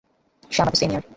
সে আমাদের সিনিয়র!